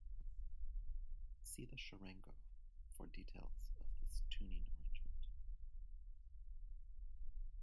See the charango for details of this tuning arrangement.